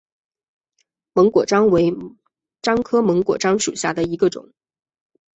檬果樟为樟科檬果樟属下的一个种。